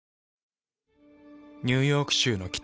ニューヨーク州の北。